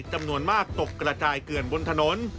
จำนวนมากตกกระจายเกลื่อนบนถนน